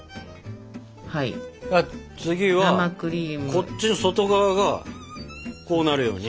次はこっちの外側がこうなるように。